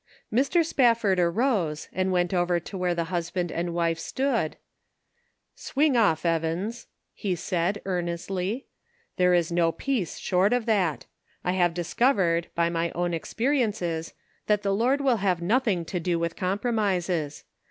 Mr. Spafford arose and went over to where the husband and wife stood :" Swing off, Evans," he said, earnestly ; "there is no peace short of that. I have dis covered, by my own experiences, that the Lord will have nothing to do with com promises.